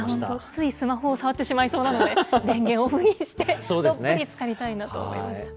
つい、スマホを触ってしまいそうなので、電源をオフにして、どっぷりつかりたいなと思いました。